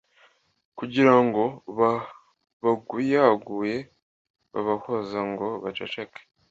kugira ngo babaguyaguye babahoza ngo baceceke.